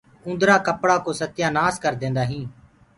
اُندرآ ڪپڙآ ڪو ستيآ نآس ڪرديندآ هينٚ۔